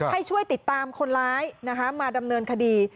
ให้ช่วยติดตามคนร้ายมาดำเนินคดี